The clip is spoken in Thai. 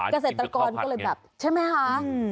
กาศตรกรก็เลยแบบใช่ไหมฮะอืม